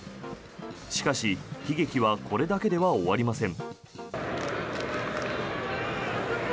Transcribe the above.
しかし、悲劇はこれだけでは終わりません。